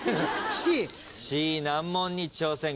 Ｃ難問に挑戦。